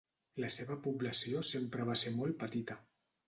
La seva població sempre va ser molt petita.